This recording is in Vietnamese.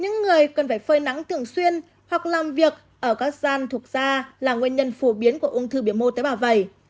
những người cần phải phơi nắng thường xuyên hoặc làm việc ở các gian thuộc da là nguyên nhân phổ biến của ung thư biểu mô tế bào vẩy